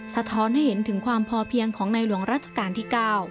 สะท้อนให้เห็นถึงความพอเพียงของในหลวงราชการที่๙